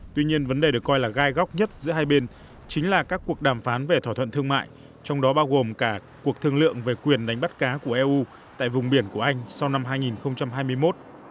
tuy nhiên vấn đề được coi là gai góc nhất giữa hai bên chính là các cuộc đàm phán về thỏa thuận thương mại trong đó bao gồm cả cuộc thương lượng về quyền đánh bắt cá của eu tại vùng biển của anh sau năm hai nghìn hai mươi một